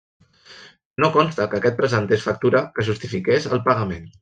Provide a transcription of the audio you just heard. No consta que aquest presentés factura que justifiqués el pagament.